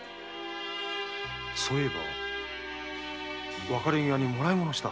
そういえば別れ際にもらい物をした。